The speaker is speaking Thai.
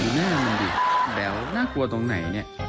หน้ามันดิแบวน่ากลัวตรงไหนเนี่ย